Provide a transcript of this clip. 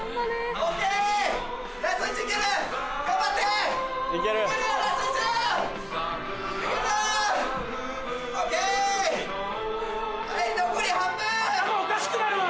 頭おかしくなるわ！